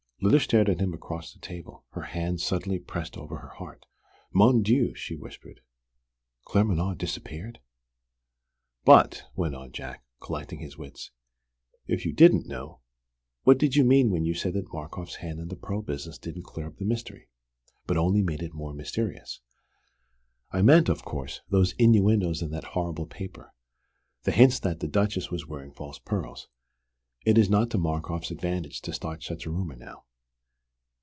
Lyda stared at him across the table, her hands suddenly pressed over her heart. "Mon Dieu!" she whispered. "Claremanagh disappeared!" "But," went on Jack, collecting his wits, "if you didn't know, what did you mean when you said that Markoff's hand in the pearl business didn't clear up the mystery, but only made it more mysterious?" "I meant, of course, those innuendos in that horrible paper the hints that the Duchess was wearing false pearls. It is not to Markoff's advantage to start such a rumour now.